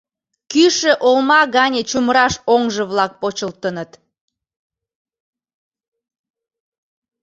Кӱшӧ олма гане чумыраш оҥжо-влак почылтыныт.